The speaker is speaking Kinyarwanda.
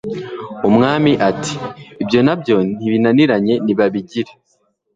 Umwami ati ibyo na byo ntibinaniranye nibabigire